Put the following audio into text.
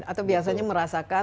atau biasanya merasakan